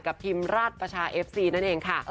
ทีมราชประชาเอฟซีนั่นเองค่ะ